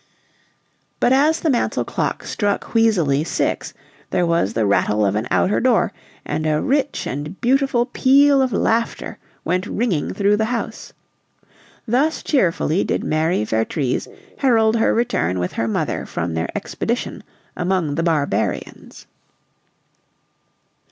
But as the mantel clock struck wheezily six there was the rattle of an outer door, and a rich and beautiful peal of laughter went ringing through the house. Thus cheerfully did Mary Vertrees herald her return with her mother from their expedition among the barbarians.